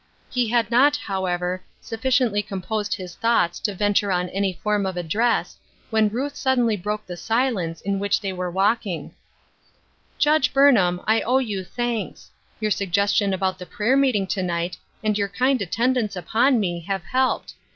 He had not, however, sufficiently composed his thoughts to venture on any form of address, when Ruth suddenly broke the silence in which they were walking :" Judge Burnham, I owe you thanks. Your suggestion about the prayer meeting to night, and your kind attendance upon me, have helped.